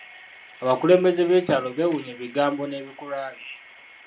Abakulembeze b'ekyalo beeewuunya ebigambo n'ebikolwa bye.